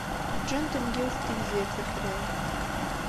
Ǧǧan-ten deg yiwet n tegzirt yexlan.